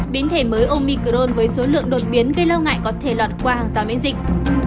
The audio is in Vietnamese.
biến thể mới omicron với số lượng đột biến gây lo ngại có thể lọt qua hàng giám yên dịch